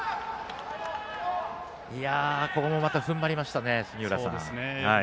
ここも、またふんばりましたね。